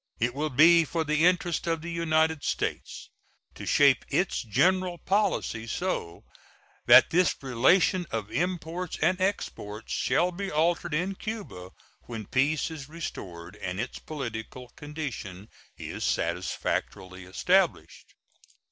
It will be for the interest of the United States to shape its general policy so that this relation of imports and exports shall be altered in Cuba when peace is restored and its political condition is satisfactorily established.